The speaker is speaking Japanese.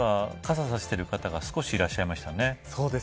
傘差している方が少しいらっしゃいましたね。